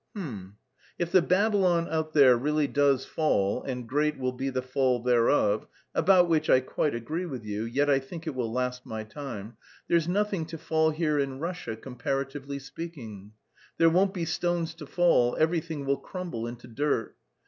"H'm. If the Babylon out there really does fall, and great will be the fall thereof (about which I quite agree with you, yet I think it will last my time), there's nothing to fall here in Russia, comparatively speaking. There won't be stones to fall, everything will crumble into dirt.